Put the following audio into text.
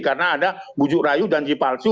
karena ada bujuk rayu dan dipalsu